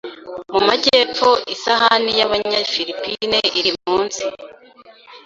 mu majyepfo isahani y'Abanyafilipine iri munsi